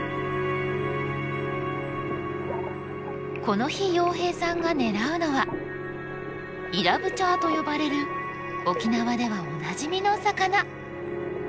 この日洋平さんが狙うのはイラブチャーと呼ばれる沖縄ではおなじみの魚。